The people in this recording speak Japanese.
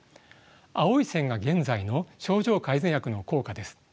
青い線が現在の症状改善薬の効果です。